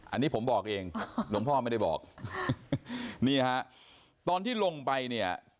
อันนี้ผมบอกเองหลวงพ่อไม่ได้บอกนี่ฮะตอนที่ลงไปเนี่ย